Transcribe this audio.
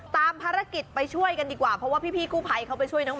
ตามภารกิจไปช่วยให้ช่วยช่วยเข้าภายพี่กุภัย